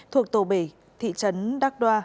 thuộc tổ bể thị trấn đắc đoa